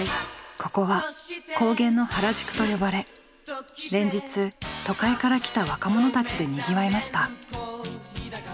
ここは「高原の原宿」と呼ばれ連日都会から来た若者たちでにぎわいました。